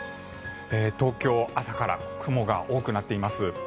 東京朝から雲が多くなっています。